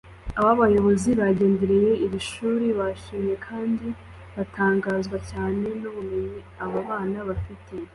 Aba bayobozi bagendereye iri shuri bashimye kandi batangazwa cyane n’ubumenyi aba bana bafite